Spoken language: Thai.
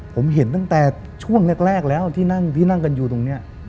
ผมเห็นตั้งแต่ช่วงแรกแล้วที่นั่งที่นั่งกันอยู่ตรงนี้